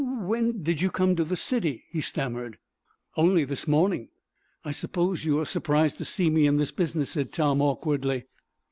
"When did you come to the city?" he stammered. "Only this morning." "I suppose you are surprised to see me in this business," said Tom, awkwardly.